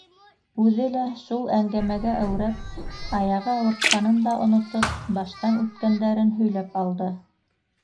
Үҙе лә шул әңгәмәгә әүрәп, аяғы ауыртҡанын да онотоп, баштан үткәндәрен һөйләп алды.